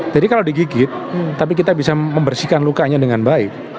jadi kalau digigit tapi kita bisa membersihkan lukanya dengan baik